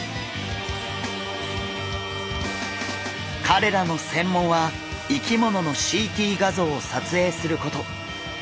かれらの専門は生き物のＣＴ画像をさつえいすること。